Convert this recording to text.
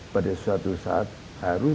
pada suatu saat harus